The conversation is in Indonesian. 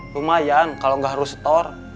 lumayan kalau nggak harus store